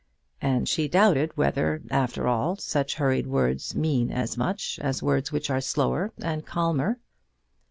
And she doubted whether, after all, such hurried words mean as much as words which are slower and calmer.